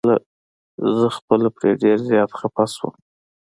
زه خپله پرې ډير زيات خفه شوم.